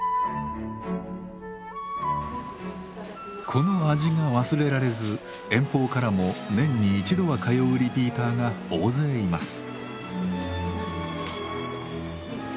この味が忘れられず遠方からも年に一度は通うリピーターが大勢います。